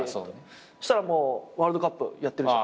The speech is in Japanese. そしたらもうワールドカップやってるじゃん。